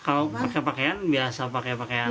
kalau pakai pakaian biasa pakai pakaian